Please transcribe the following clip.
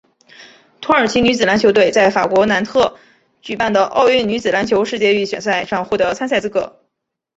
土耳其女子篮球队在法国南特举办的奥运女子篮球世界预选赛上获得参赛资格。